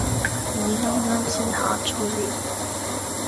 我啱啱先下載完